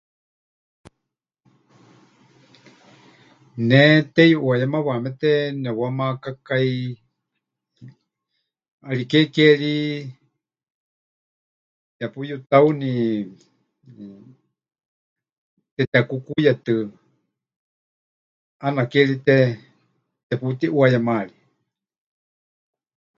Ne teyuʼuayémawaamete nepɨwamaakákai, ʼariké ke ri, tepuyutauni, mmm, tetekukuuyetɨ, ʼaana ke ri te... teputiʼuayemarie.